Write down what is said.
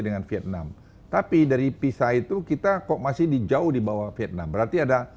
dengan vietnam tapi dari pisa itu kita kok masih dijauh di bawah vietnam berarti ada